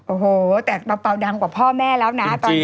โอ้โหแต่เปล่าดังกว่าพ่อแม่แล้วนะตอนนี้